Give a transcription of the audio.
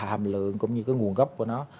hàm lượng cũng như nguồn gốc của nó